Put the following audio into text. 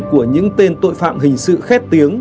của những tên tội phạm hình sự khét tiếng